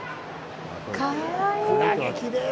かわいい。